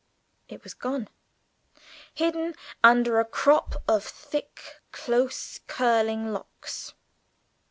It was gone hidden under a crop of thick close curling locks!